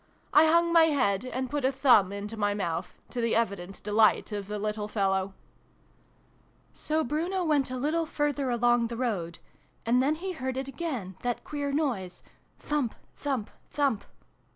I hung my head, and put a thumb into my mouth, to the evident delight of the little fellow. o 226 SYLVIE AND BRUNO CONCLUDED " So Bruno went a little further along the road. And then he heard it again, that queer noise Thump ! Thump ! Thump